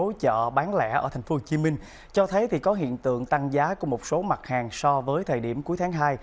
quảng cuối tháng ba năm hai nghìn hai mươi bốn ghi nhận tại một số chợ bán lẻ ở tp hcm cho thấy có hiện tượng tăng giá của một số mặt hàng so với thời điểm cuối tháng hai